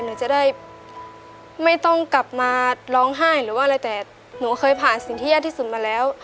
หนูจะได้ไม่ต้องกลับมาร้องไห้หรือว่าอะไรแต่หนูเคยผ่านสิ่งที่ยากที่สุดมาแล้ว